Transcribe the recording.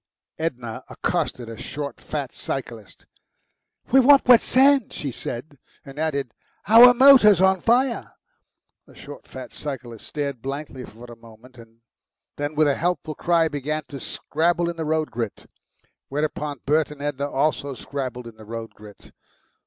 Edna accosted a short, fat cyclist. "We want wet sand," she said, and added, "our motor's on fire." The short, fat cyclist stared blankly for a moment, then with a helpful cry began to scrabble in the road grit. Whereupon Bert and Edna also scrabbled in the road grit.